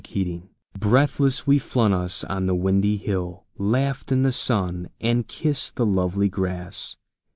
The Hill Breathless, we flung us on the windy hill, Laughed in the sun, and kissed the lovely grass.